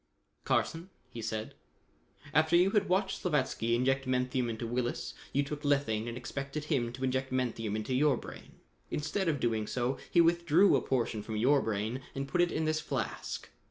"Carson," he said, "after you had watched Slavatsky inject menthium into Willis, you took lethane and expected him to inject menthium into your brain. Instead of doing so he withdrew a portion from your brain and put it in this flask.